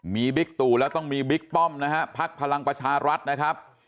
มีบิ๊กตู่แล้วต้องมีบิ๊กป้อมนะฮะพักพลังประชารัฐนะครับ